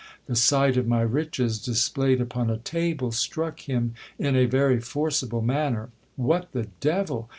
The sight of my riches displayed upon a table, struck him in a very forcible manner. What the devil